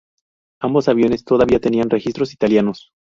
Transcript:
Ambos aviones todavía tenían registros italianos.